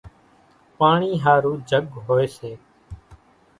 پاڻِي ۿارُو جھڳ هوئيَ سي۔